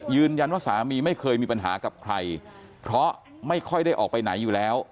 ยืนยันว่าสามีไม่เคยมีปัญหากับใครเพราะไม่ค่อยได้ออกไปไหนอยู่แล้ว